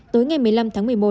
tối ngày một mươi năm tháng năm